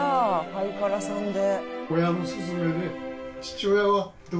ハイカラさんで。